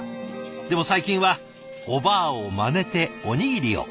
でも最近はおばあをまねておにぎりを。